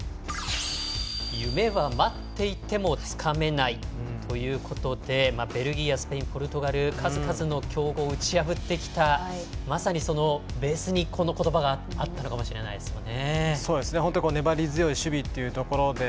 夢は待っていてもつかめないということでベルギーがスペインポルトガル数々の強豪を打ち破ってきたまさにそのベースにこの言葉があったのかもしれないですよね。